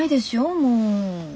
もう。